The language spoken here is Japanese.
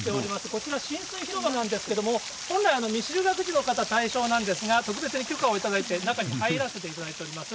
こちら、しんすい広場なんですけども、本来、未就学児の方対象なんですが、特別に許可をいただいて、中に入らせていただいております。